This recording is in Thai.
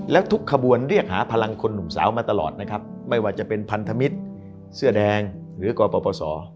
แล้วทุกขบวนเรียกหาพลังคนหนุ่มสาวมาตลอดนะครับไม่ว่าจะเป็นพันธมิตรเสื้อแดงหรือกปศ